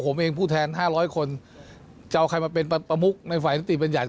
ผมเองผู้แทน๕๐๐คนจะเอาใครมาเป็นประมุกในฝ่ายนิติบัญญัติ